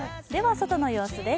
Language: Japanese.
外の様子です。